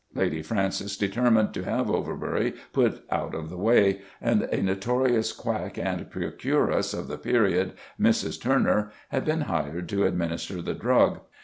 Lady Frances determined to have Overbury put out of the way, and a notorious quack and procuress of the period, Mrs. Turner, had been hired to administer the drug.